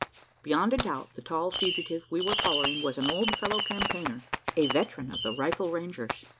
Beyond a doubt, the tall fugitive we were following was an old fellow campaigner a veteran of the "Rifle Rangers!"